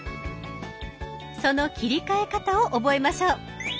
その切り替え方を覚えましょう。